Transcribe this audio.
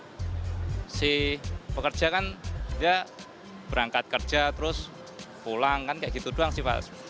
jadi pekerja kan dia berangkat kerja terus pulang kan kayak gitu doang sih pak